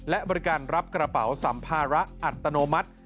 และบริการรับกระเป๋าสัมภาระอัตโนมัติ